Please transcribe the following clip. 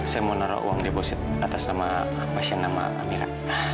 saya mau naruh uang deposit atas nama pasien nama amira